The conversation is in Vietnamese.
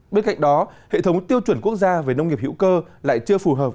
bên cạnh đó hệ thống tiêu chuẩn quốc gia về nông nghiệp hữu cơ lại chưa phù hợp